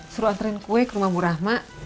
suruh antren kue ke rumah bu rahma